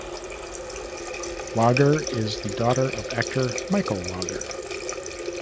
Wager is the daughter of actor Michael Wager.